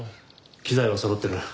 機材はそろってる。